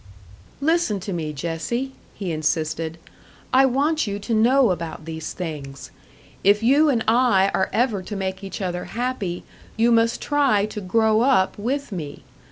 "Listen to me, Jessie," he insisted. "I want you to know about these things. If you and I are ever to make each other happy, you must try to grow up with me.